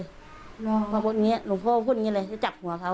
อ๋อพอพูดอย่างเงี้ยหลวงพ่อพูดอย่างเงี้ยเลยจะจับหัวเขา